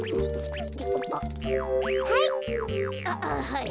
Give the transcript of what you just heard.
はい。